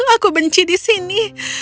aku benci di sini